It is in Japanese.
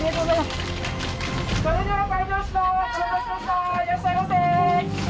いらっしゃいませ。